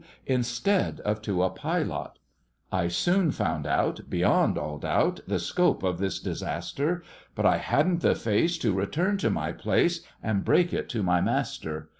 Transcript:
— instead of to a pilot. I soon found out, beyond all doubt, the scope of this disaster, But I hadn't the face to return to my place, and break it to my master.